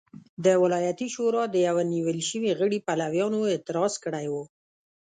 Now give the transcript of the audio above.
د ولایتي شورا د یوه نیول شوي غړي پلویانو اعتراض کړی و.